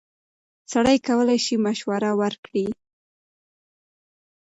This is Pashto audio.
سړی کولی شي مشوره ورکړي.